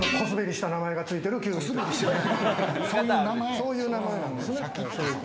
そういう名前なんですね。